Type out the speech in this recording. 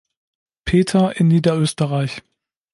Peter in Niederösterreich.